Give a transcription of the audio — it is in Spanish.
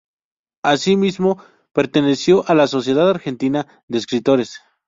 Asimismo, perteneció a la Sociedad Argentina de Escritores.